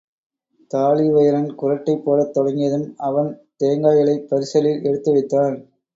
தாழிவயிறன் குறட்டை போடத் தொடங்கியதும் அவன் தேங்காய்களைப் பரிசலில் எடுத்து வைத்தான்.